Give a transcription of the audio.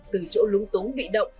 từ chỗ lúng túng bị động